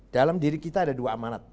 dalam diri kita ada dua amanat